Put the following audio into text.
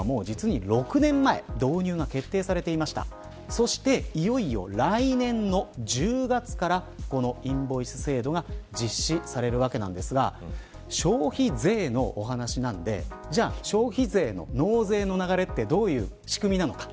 そしていよいよ来年の１０月からこのインボイス制度が実施されるわけなんですが消費税のお話なんでじゃあ、消費税の納税の流れってどういう仕組みなのか。